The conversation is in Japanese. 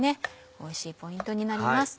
おいしいポイントになります。